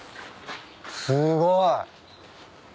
すごい。